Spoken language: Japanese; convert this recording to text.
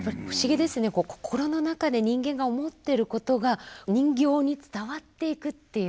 心の中で人間が思ってることが人形に伝わっていくっていう。